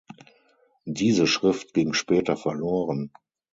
Diese Schrift ging später verloren.